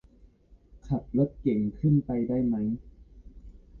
ขับรถเก๋งขึ้นไปได้ไหม